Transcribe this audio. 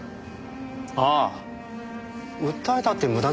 あっ訴えたって無駄ですよ。